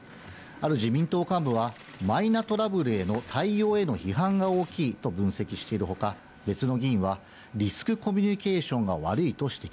ある自民党幹部は、マイナトラブルへの対応への批判が大きいと分析しているほか、別の議員は、リスクコミュニケーションが悪いと指摘。